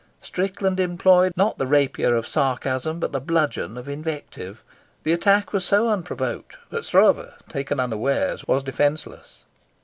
Strickland employed not the rapier of sarcasm but the bludgeon of invective. The attack was so unprovoked that Stroeve, taken unawares, was defenceless.